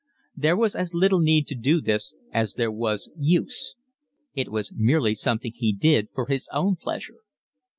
There was as little need to do this as there was use. It was merely something he did for his own pleasure.